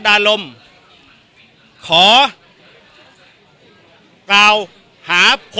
สวัสดีครับ